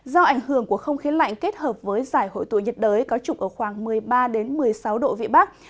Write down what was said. do ảnh hưởng của không khí lạnh kết hợp với giải hội tụ nhiệt đới có trục ở khoảng một mươi ba một mươi sáu độ vị bắc